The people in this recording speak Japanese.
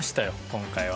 今回は。